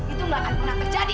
itu nggak akan pernah terjadi